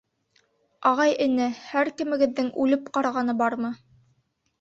— Ағай-эне, һәр кемегеҙҙең үлеп ҡарағаны бармы?